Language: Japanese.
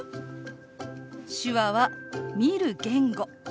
手話は見る言語。